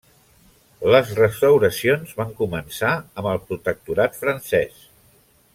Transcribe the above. Les restauracions van començar amb el protectorat francès.